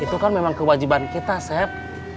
itu kan memang kewajiban kita chef